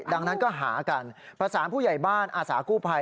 ดังนั้นก็หากันประสานผู้ใหญ่บ้านอาสากู้ภัย